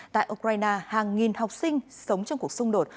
tại ukraine hàng nghìn học sinh sống trong cuộc xung đột